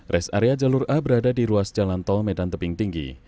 res area jalur a berada di ruas jalan tol medan tebing tinggi